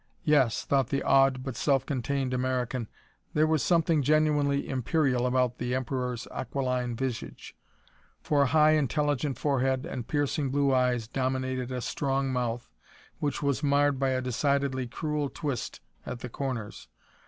Yes, thought the awed but self contained American, there was something genuinely imperial about the Emperor's aquiline visage, for a high intelligent forehead and piercing blue eyes dominated a strong mouth, which was marred by a decidedly cruel twist at the corners.